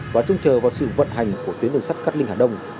và trông chờ vào sự vận hành của tuyến đường sắt cát linh hà đông